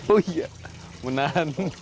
oh iya menahan